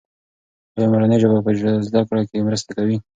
ایا مورنۍ ژبه په زده کړه کې مرسته کوي؟